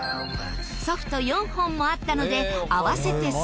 ソフト４本もあったので合わせて査定。